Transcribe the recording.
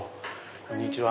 こんにちは。